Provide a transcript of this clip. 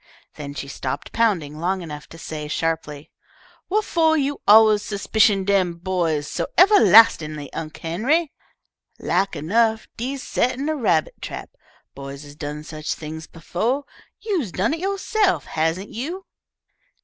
Then she stopped pounding long enough to say, sharply, "Whuffo' you alluz 'spicion dem boys so evahlastin'ly, Unc' Henry? Lak enough dee's settin' a rabbit trap. Boys has done such things befo'. You's done it yo'se'f, hasn't you?"